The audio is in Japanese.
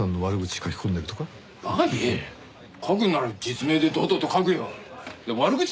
書くんなら実名で堂々と書くよ。